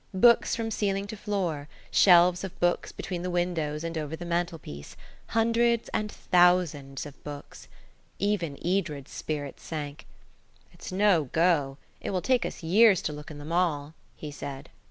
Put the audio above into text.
Books from ceiling to floor, shelves of books between the windows and over the mantelpiece–hundreds and thousands of books. Even Edred's spirits sank. "It's no go. It will take us years to look in them all," he said.